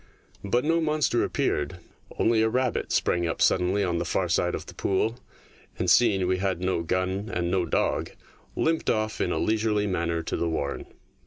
But no monster appeared ; only a rabbit sprang up suddenly on the far side of the pool, and, seeing we had no gun and no dog, limped off in a leisurely manner to the warren.